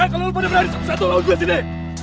hei kalau lo pada berani satu satu lawan gue sini